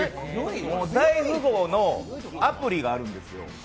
「大富豪」のアプリがあるんですよ。